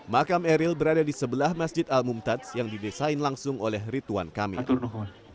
makam eril berada di sebelah masjid al mumtaz yang didesain langsung oleh rituan kamil